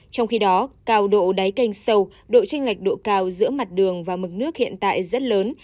trong khi đó cao độ đáy canh sâu độ tranh lệch độ cao giữa mặt đường và mực nước hiện tại rất lớn